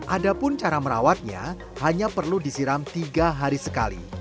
adapun cara merawatnya hanya perlu disiram tiga hari sekali